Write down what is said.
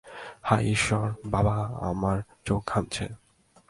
হায় ঈশ্বর, বাবা - আমার চোখ ঘামছে।